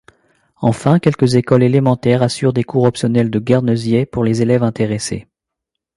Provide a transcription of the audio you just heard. Enfin quelques écoles élémentaires assurent des cours optionnels de guernesiais pour les élèves intéressés.